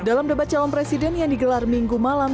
dalam debat calon presiden yang digelar minggu malam